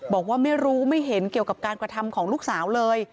บอกว่าไม่รู้ไม่เห็นเกี่ยวกับการกระทำของลูกสาวเลย